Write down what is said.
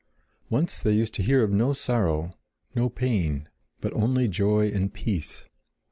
Once they used to hear of no sorrow, no pain, but only joy and peace.